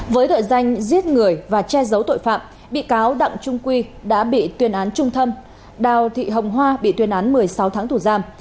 với đội danh giết người và che giấu tội phạm bị cáo đặng trung quy đã bị tuyên án trung thân đào thị hồng hoa bị tuyên án một mươi sáu tháng tù giam